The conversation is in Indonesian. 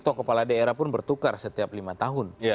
toh kepala daerah pun bertukar setiap lima tahun